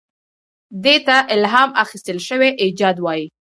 دې ته الهام اخیستل شوی ایجاد وایي.